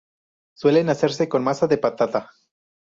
Suelen hacerse con masa de patata.